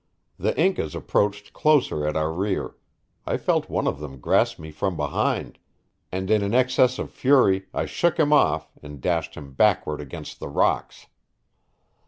The Incas approached closer at our rear; I felt one of them grasp me from behind, and in an excess of fury I shook him off and dashed him backward against the rocks.